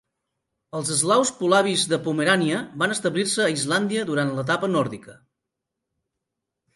Els eslaus polabis de Pomerània van establir-se a Islàndia durant l'etapa nòrdica.